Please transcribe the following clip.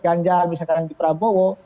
gangjar misalkan di prabowo